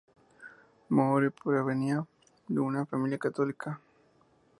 Moore provenía de una familia católica.